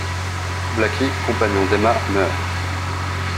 Blackie, compagnon d'Emma, meurt.